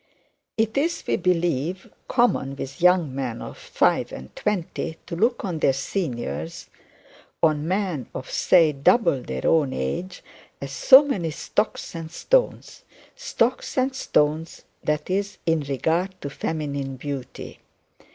It is, we believe, common with young men of five and twenty to look on their seniors on men of, say, double their own age as so many stocks and stones stocks and stones, that is, in regard to feminine beauty.